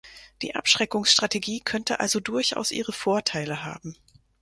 Die Abschreckungsstrategie könnte also durchaus ihre Vorteile haben.